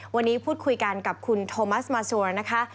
วันนี้พูดคุยกันกับคุณโทมัสมาซัวนะคะ